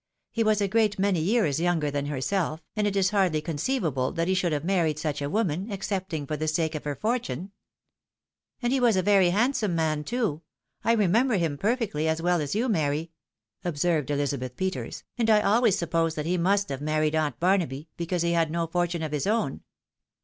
He was a great many years younger than herself, and it is hardly "con ceivable that he should have married such a woman, excepting for the sake of her fortune." •" And he was a very handsome man, too. I remember him perfectly, as well, as you, Mary," observed Elizabeth Peters, " and I always supposed that he must have married aunt Barnaby, because he had no fortune of his own."